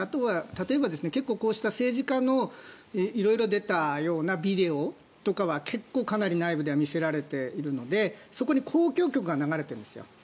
例えば、こうした政治家の色々出たようなビデオとか結構、かなり内部では見せられているのでそこに交響曲が流れているんですよ。